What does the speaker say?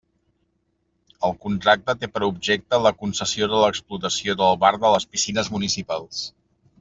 El contracte té per objecte la concessió de l'explotació del bar de les piscines municipals.